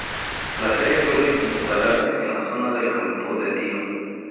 La feria suele instalarse en la zona del Campo de Tiro.